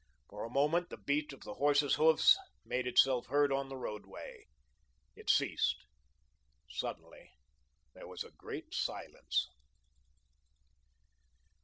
For a moment the beat of the horses' hoofs made itself heard on the roadway. It ceased. Suddenly there was a great silence.